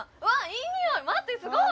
いいにおい待ってすごい！